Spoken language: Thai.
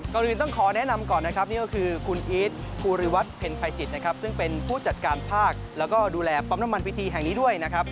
ก่อนอื่นต้องขอแนะนำก่อนนะครับนี่ก็คือคุณอีทภูริวัฒนเพ็ญภัยจิตนะครับซึ่งเป็นผู้จัดการภาคแล้วก็ดูแลปั๊มน้ำมันพิธีแห่งนี้ด้วยนะครับ